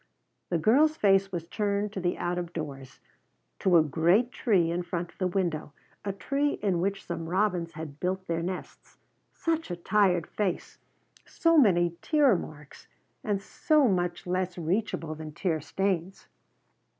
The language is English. The girl's face was turned to the out of doors; to a great tree in front of the window, a tree in which some robins had built their nests. Such a tired face! So many tear marks, and so much less reachable than tear stains.